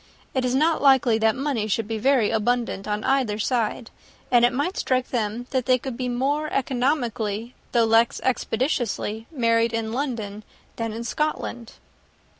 It is not likely that money should be very abundant on either side; and it might strike them that they could be more economically, though less expeditiously, married in London, than in Scotland."